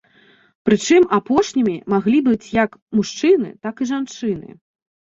Прычым, апошнімі маглі быць як мужчыны, так і жанчыны.